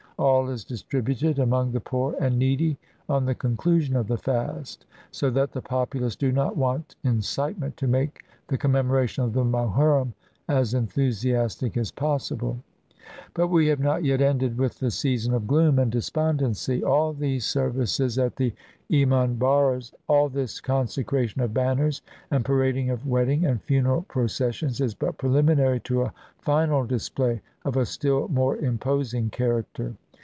All is distributed among the poor and needy on the conclusion of the fast; so that the populace do not want incitement to make the com memoration of the Mohurrim as enthusiastic as possible. But we have not yet ended with the season of gloom and despondency. All these services at the emanbarras — all this consecration of banners and parading of wed ding and fimeral processions, is but preliminary to a final display of a still more imposing character.